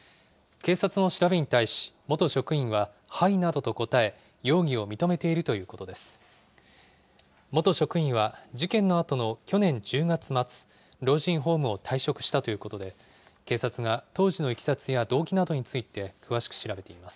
警察の調べに対し、元職員は、はいなどと答え、容疑を認めているということです。